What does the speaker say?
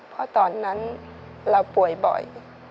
เพราะตอนนั้นเราป่วยบ่อย